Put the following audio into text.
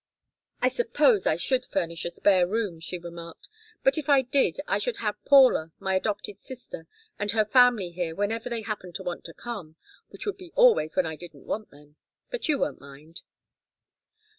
"I suppose I should furnish a spare room," she remarked. "But if I did I should have Paula my adopted sister and her family here whenever they happened to want to come, which would be always when I didn't want them. But you won't mind."